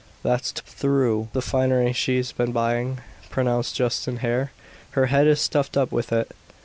"That's through the finery she's been buying," pronounced Justice Hare. "Her head is stuffed up with it."